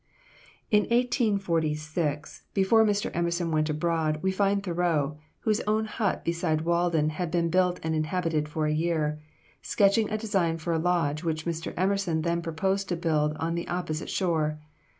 In 1846, before Mr. Emerson went abroad, we find Thoreau (whose own hut beside Walden had been built and inhabited for a year) sketching a design for a lodge which Mr. Emerson then proposed to build on the opposite shore.